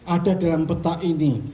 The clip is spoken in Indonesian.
ada dalam peta ini